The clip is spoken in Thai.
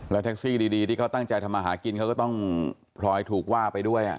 แท็กซี่ดีที่เขาตั้งใจทำมาหากินเขาก็ต้องพลอยถูกว่าไปด้วย